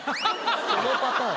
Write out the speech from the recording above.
そのパターン。